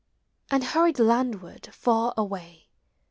And hurried landward far away.